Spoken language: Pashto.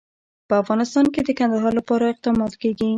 په افغانستان کې د کندهار لپاره اقدامات کېږي.